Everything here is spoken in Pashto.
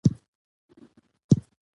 باسواده ښځې د حق دفاع کوي.